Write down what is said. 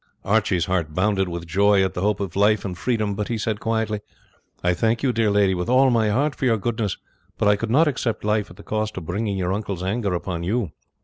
Archie's heart bounded with joy with the hope of life and freedom; but he said quietly, "I thank you, dear lady, with all my heart for your goodness; but I could not accept life at the cost of bringing your uncle's anger upon you."